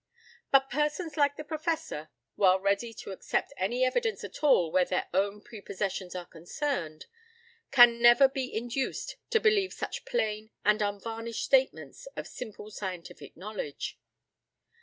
But persons like the Professor, while ready to accept any evidence at all where their own prepossessions are concerned, can never be induced to believe such plain and unvarnished statements of simple scientific knowledge.